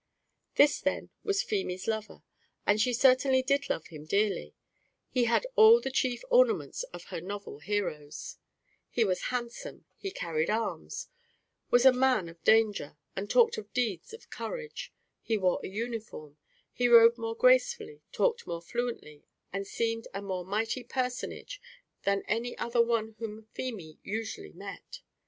This, then, was Feemy's lover, and she certainly did love him dearly; he had all the chief ornaments of her novel heroes he was handsome, he carried arms, was a man of danger, and talked of deeds of courage; he wore a uniform; he rode more gracefully, talked more fluently, and seemed a more mighty personage, than any other one whom Feemy usually met.